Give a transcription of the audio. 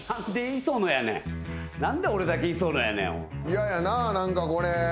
嫌やな何かこれ。